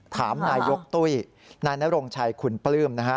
ถามนายกตุ้ยนายนโรงชัยคุณปลื้มนะฮะ